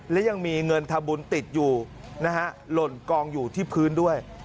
และยังมีเงินทำบุญติดอยู่นะฮะหล่นกองอยู่ที่พื้นด้วย